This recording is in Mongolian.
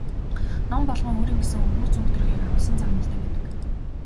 Ном болгон өөрийн гэсэн өвөрмөц өнгө төрхийг агуулсан зан үйлтэй байдаг.